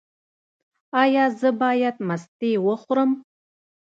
ایا زه باید مستې وخورم؟